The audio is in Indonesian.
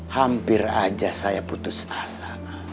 hampir aja saya putus asa